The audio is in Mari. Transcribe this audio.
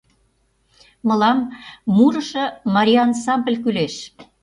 Мылам мурышо марий ансамбль кӱлеш.